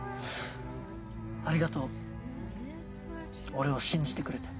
ありがとう俺を信じてくれて。